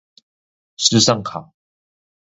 時尚考